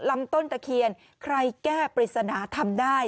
ลำต้นตะเคียนใครแก้ปริศนาทำได้